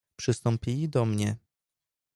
"Przystąpili do mnie."